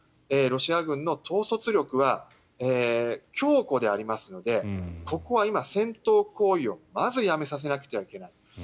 ロシア軍の統率力は強固でありますのでここは今、戦闘行為をまずやめさせなくてはならない。